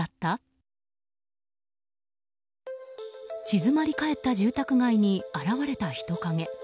静まり返った住宅街に現れた人影。